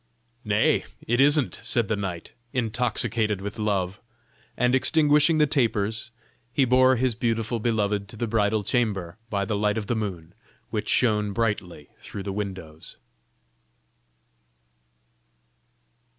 "Nay! that it isn't," said the knight, intoxicated with love, and extinguishing the tapers, he bore his beautiful beloved to the bridal chamber by the light of the moon which shone brightly through the windows.